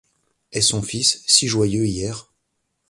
Et son fils, si joyeux hier…